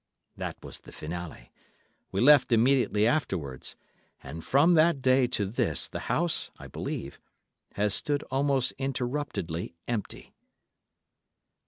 That was the finale; we left immediately afterwards, and from that day to this the house, I believe, has stood almost uninterruptedly empty."